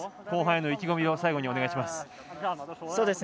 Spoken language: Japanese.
後半への意気込みを最後にお願いします。